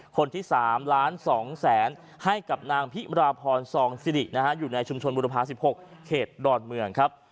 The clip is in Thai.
คนที่๓ล้าน๒แสนให้กับนางพิมราพรซองสิรินะฮะอยู่ในชุมชนบุรพา๑๖เขตดอนเมืองครับ